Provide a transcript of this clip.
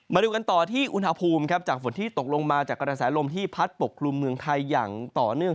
มาดูกันต่อที่อุณหภูมิจากฝนที่ตกลงมาจากกระแสลมที่พัดปกคลุมเมืองไทยอย่างต่อเนื่อง